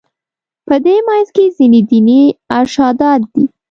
په دې منځ کې ځینې دیني ارشادات دي.